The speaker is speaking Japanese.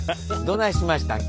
どないしましたん？